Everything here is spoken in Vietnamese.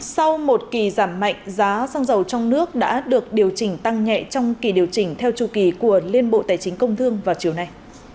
sau một kỳ giảm mạnh giá xăng dầu trong nước đã được điều chỉnh tăng nhẹ trong kỳ điều chỉnh theo chu kỳ của liên bộ tài chính công thương vào chiều nay